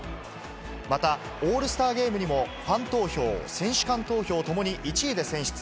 また、オールスターゲームにもファン投票、選手間投票ともに１位で選出。